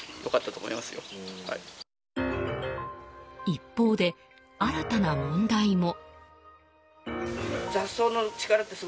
一方で新たな問題も。